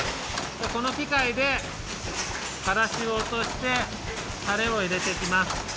このきかいでからしをおとしてタレをいれていきます。